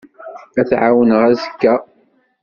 Ad t-ɛawneɣ azekka.